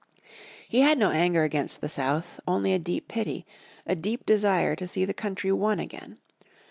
He had no anger against the south, only a deep pity, a deep desire to see the country one again.